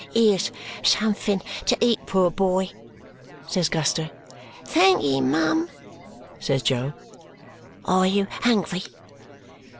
"Here's something to eat, poor boy," says Guster. "Thank'ee, mum," says Jo. "Are you hungry?"